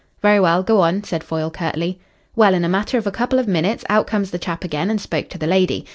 "Very well. Go on," said Foyle curtly. "Well, in a matter of a couple of minutes out comes the chap again and spoke to the lady.